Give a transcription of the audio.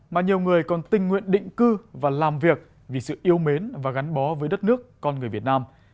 mà nhiều người còn tình nguyện định cư và làm việc vì sự yêu mến và gắn bó với đất nước con người việt nam